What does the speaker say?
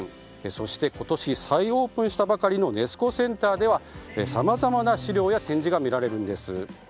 そして、今年再オープンしたばかりのネス湖センターではさまざまな資料や展示が見られるんです。